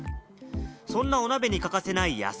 そんなお鍋に欠かせない野菜。